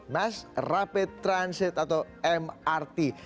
mass rapid transit atau mrt